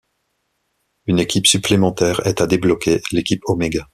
Une équipe supplémentaire est à débloquer, l'équipe Oméga.